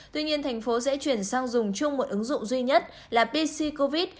tuy nhiên thành phố sẽ chuyển sang dùng chung một ứng dụng duy nhất là pc covid